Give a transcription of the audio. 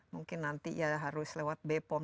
mungkin nanti ya harus lewat bepom